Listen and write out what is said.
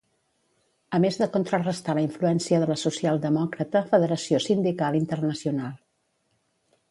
A més de contrarestar la influència de la socialdemòcrata Federació Sindical Internacional.